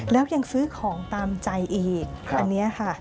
แล้วยังซื้อของตามใจอีกอันนี้ค่ะ